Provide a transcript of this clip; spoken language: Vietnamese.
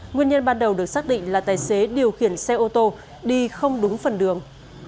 nguyên nhân ban đầu được xác định là tài xế điều khiển xe ô tô đi không đúng phần đường